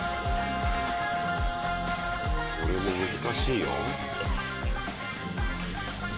これも難しいよ。